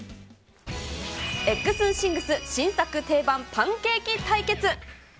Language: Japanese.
エッグスンシングス、新作・定番パンケーキ対決。